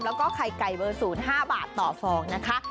แล้วก็ไข่ไก่เบอร์๐๕บาทต่อฟองนะคะ